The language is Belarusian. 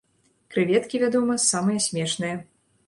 Крэветкі, вядома, самае смешнае.